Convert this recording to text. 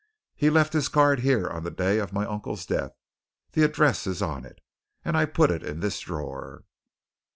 "He left his card here on the day of my uncle's death the address is on it. And I put it in this drawer."